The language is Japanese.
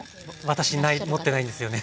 私持ってないんですよね